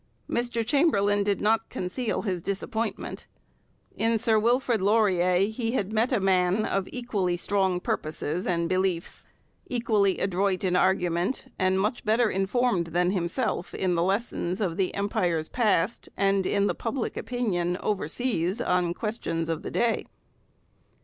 Mr Chamberlain did not conceal his disappointment. In Sir Wilfrid Laurier he had met a man of equally strong purposes and beliefs, equally adroit in argument, and much better informed than himself in the lessons of the Empire's past and in the public opinion overseas on questions of the day.